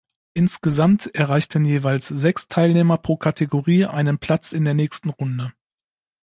Insgesamt erreichten jeweils sechs Teilnehmer pro Kategorie einen Platz in der nächsten Runde.